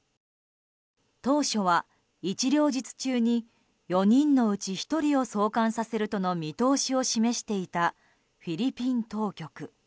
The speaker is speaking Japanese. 当初は一両日中に４人のうち１人を送還させるとの見通しを示していたフィリピン当局。